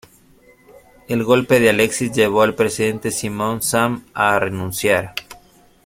El golpe de Alexis llevó al presidente Simon Sam a renunciar.